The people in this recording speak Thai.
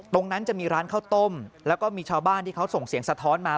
ตรงนั้นจะมีร้านข้าวต้มแล้วก็มีชาวบ้านที่เขาส่งเสียงสะท้อนมา